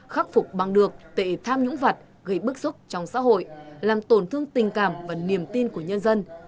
khắc phục bằng được tệ tham nhũng vật gây bức xúc trong xã hội làm tổn thương tình cảm và niềm tin của nhân dân